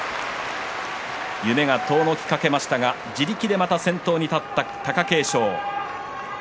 夢が遠のきかけ自力でまた先頭に立った貴景勝。